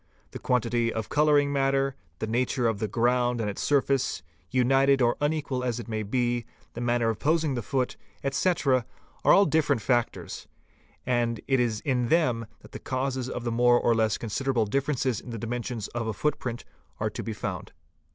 The quantity of colouring matter, the nature of the ground and its surface, united or unequal as it may be, the manner of posing the foot, etc., are all different factors; and it is in them that the causes of the more or less considerable differences in the dimensions of a footprint are to be found.